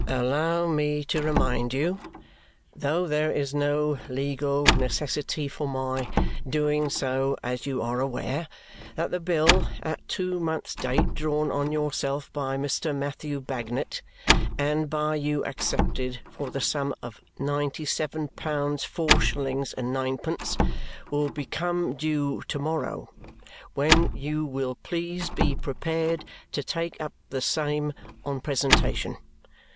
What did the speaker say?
Allow me to remind you (though there is no legal necessity for my doing so, as you are aware) that the bill at two months' date drawn on yourself by Mr. Matthew Bagnet, and by you accepted, for the sum of ninety seven pounds four shillings and ninepence, will become due to morrow, when you will please be prepared to take up the same on presentation.